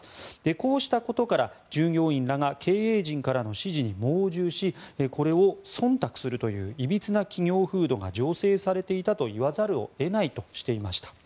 こうしたことから従業員らが経営陣からの指示に盲従しこれをそんたくするといういびつな企業風土が醸成されていたと言わざるを得ないとしていました。